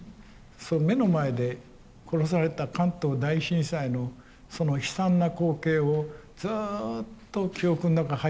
その目の前で殺された関東大震災のその悲惨な光景をずうっと記憶の中入ってるんですね。